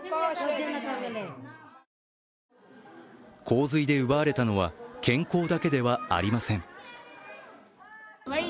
洪水で奪われたのは健康だけではありません。